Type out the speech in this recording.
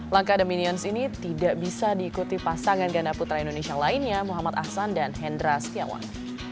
langkah the minions ini tidak bisa diikuti pasangan ganda putra indonesia lainnya muhammad ahsan dan hendra setiawan